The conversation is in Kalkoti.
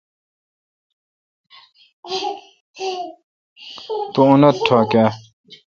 تو انیت ٹھوکہ۔